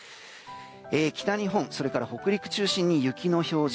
北日本、それから北陸を中心に雪の表示。